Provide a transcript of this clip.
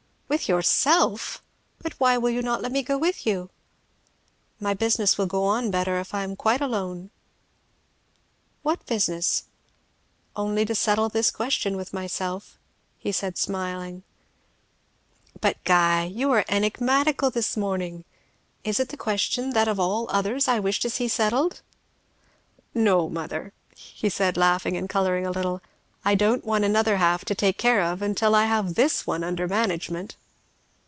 "With yourself! But why will you not let me go with you?" "My business will go on better if I am quite alone." "What business?" "Only to settle this question with myself," said he smiling. "But Guy! you are enigmatical this morning. Is it the question that of all others I wish to see settled?" "No mother," said he laughing and colouring a little, "I don't want another half to take care of till I have this one under management."